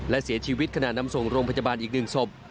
และเสียชีวิตขณะนำส่งโรงพยาบาลอีก๑ศพ